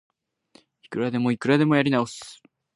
いくらでもいくらでもやり直す